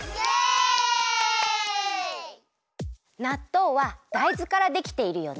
なっとうはだいずからできているよね。